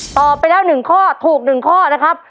ตอบไปแล้วหนึ่งข้อถูกหนึ่งข้อนะครับ